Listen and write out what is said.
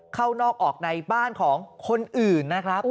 เข้านอกออกในบ้านของคนอื่นนะครับ